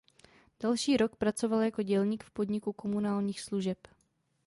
Další rok pracoval jako dělník v podniku Komunálních služeb.